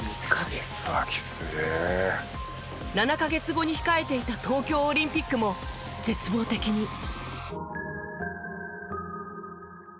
７カ月後に控えていた東京オリンピックも絶望的に。